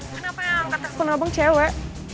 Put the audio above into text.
kenapa yang angkat telepon abang cewek